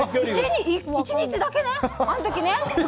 １日だけね、あの時ね。